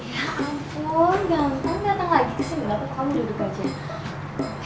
ya ampun gampang dateng lagi ke sini kenapa kamu duduk aja